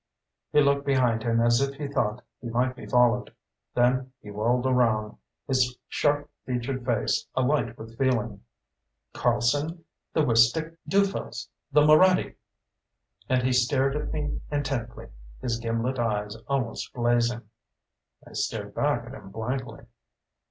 He looked behind him as if he thought he might be followed. Then he whirled around, his sharp featured face alight with feeling. "Carlson the Wistick dufels the Moraddy!" And he stared at me intently, his gimlet eyes almost blazing. I stared back at him blankly.